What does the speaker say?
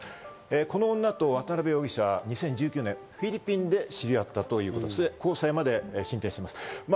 この女と渡辺容疑者、２０１９年フィリピンで知り合ったということで、交際まで進展しています。